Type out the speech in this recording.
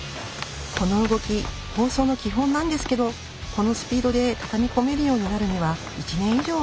この動き包装の基本なんですけどこのスピードで畳み込めるようになるには１年以上はかかりますよ！